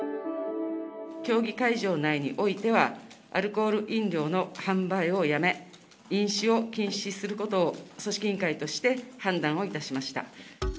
競技会場内においては、アルコール飲料の販売をやめ、飲酒を禁止することを、組織委員会として判断をいたしました。